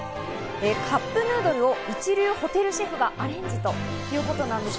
カップヌードルを一流ホテルシェフがアレンジということなんです。